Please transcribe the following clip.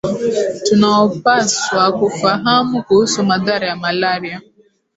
tunaopaswa kufahamu kuhusu madhara ya malaria